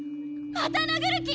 また殴る気！？